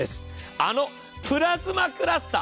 あのプラズマクラスター。